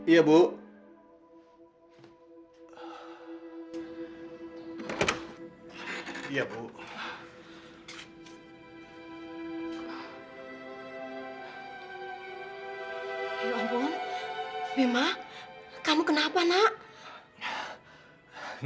ya ampun bima kamu kenapa nak